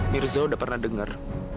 mirza udah pernah denger